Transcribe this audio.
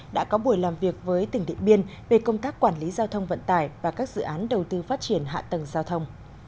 đã có buổi làm việc với tỉnh điện biên về công tác quản lý giao thông vận tải và các dự án đầu tư phát triển hạ tầng giao thông